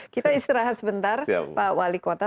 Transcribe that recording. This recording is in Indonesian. kita istirahat sebentar pak wali kota